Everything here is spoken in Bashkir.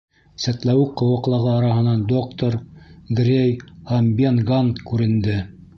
Сәтләүек ҡыуаҡлығы араһынан доктор, Грей һәм Бен Ганн күренде.